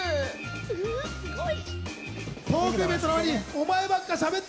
すごい！